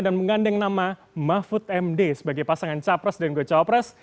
menggandeng nama mahfud md sebagai pasangan capres dan gocawapres